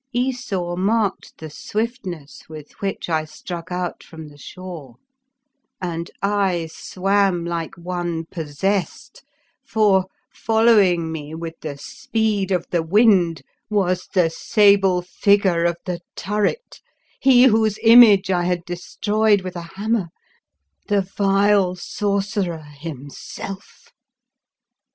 Esau marked the swiftness with which I struck out from the shore, and I swam like one pos sessed, for, following me with the speed of the wind was the sable figure of the turret, he whose image I had destroyed with a hammer — the vile Sorcerer himself.